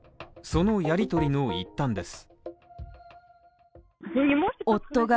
そのやりとりの一端です。